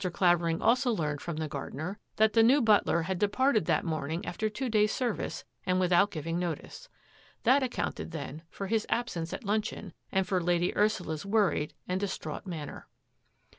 Cla ing also learned from the gardener that the butler had departed that morning after two d service and without giving notice. That counted, then, for his absence at luncheon for Lady Ursula's worried and distraught n ner.